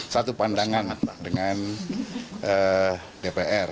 satu pandangan dengan dpr